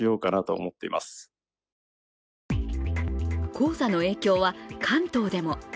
黄砂の影響は関東でも。